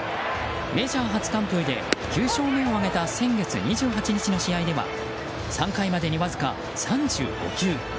メジャー初完封で９勝目を挙げた先月２８日の試合では３回までにわずか３５球。